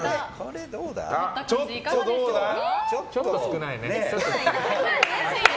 ちょっと少ないね。